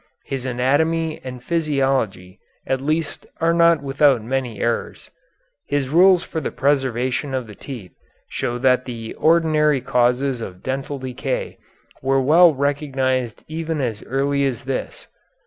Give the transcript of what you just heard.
His anatomy and physiology at least are not without many errors. His rules for the preservation of the teeth show that the ordinary causes of dental decay were well recognized even as early as this.